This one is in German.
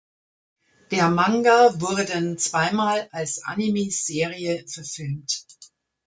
Der Manga wurden zweimal als Anime-Serie verfilmt.